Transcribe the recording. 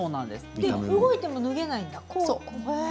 動いても脱げないんだ。